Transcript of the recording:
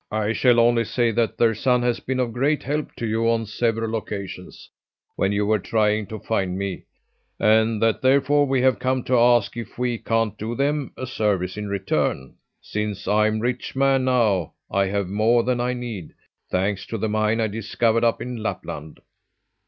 "I shall only say that their son has been of great help to you on several occasions when you were trying to find me and that therefore we have come to ask if we can't do them a service in return, since I'm a rich man now and have more than I need, thanks to the mine I discovered up in Lapland."